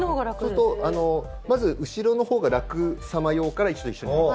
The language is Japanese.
そうすると、まず後ろのほうが楽様用から一度一緒に。